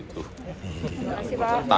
terima kasih pak